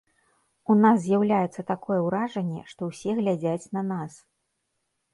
У нас з'яўляецца такое ўражанне, што ўсе глядзяць на нас.